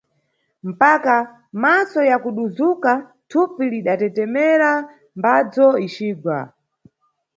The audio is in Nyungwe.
Mpaka, maso yakuduzuka, thupi litdatetemera mbadzo icigwa.